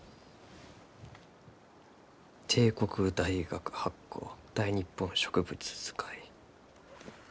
帝国大学発行「大日本植物図解」。